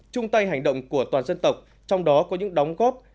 chung tay hành động của toàn dân tộc trong đó có những đóng góp